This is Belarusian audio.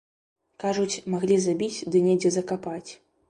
Кажуць, маглі забіць ды недзе закапаць.